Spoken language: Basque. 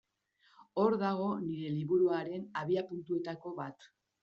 Hor dago nire liburuaren abiapuntuetako bat.